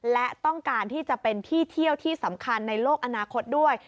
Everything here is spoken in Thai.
และต้องการที่จะเป็นที่เที่ยวที่สำคัญในโลกอนาคตด้วย